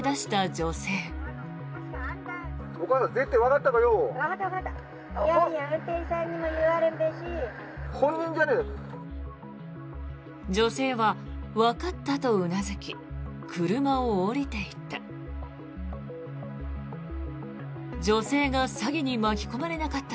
女性は、わかったとうなずき車を降りていった。